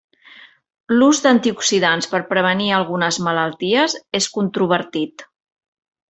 L'ús d'antioxidants per prevenir algunes malalties és controvertit.